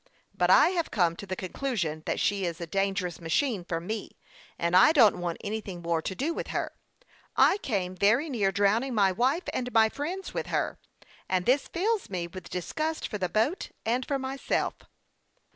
But I have come to the 72 HASTE AND WASTE, OR conclusion that she is a dangerous machine for me, and I don't want anything more to do with her. I came very near drowning my wife and my friends with her ; and this fills me with disgust for the boat and for myself."